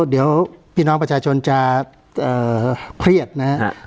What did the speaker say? เดี๋ยวพี่น้องประชาชนจะเอ่อเครียดนะฮะอ่า